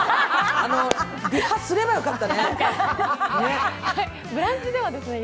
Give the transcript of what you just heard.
リハすればよかったね。